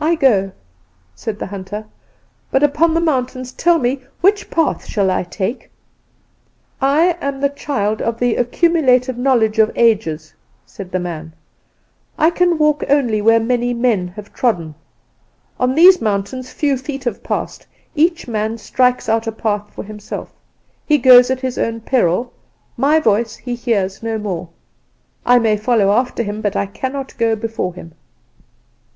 "'I go' said the hunter; 'but upon the mountains, tell me, which path shall I take?' "'I am the child of The Accumulated Knowledge of Ages,' said the man; 'I can walk only where many men have trodden. On these mountains few feet have passed; each man strikes out a path for himself. He goes at his own peril: my voice he hears no more. I may follow after him, but cannot go before him.